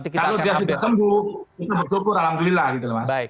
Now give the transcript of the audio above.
kalau dia sudah sembuh kita bersyukur alhamdulillah gitu mas